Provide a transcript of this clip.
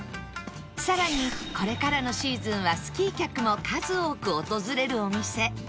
さらにこれからのシーズンはスキー客も数多く訪れるお店